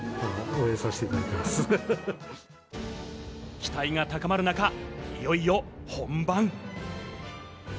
期待が高まる中、いよいよ本番。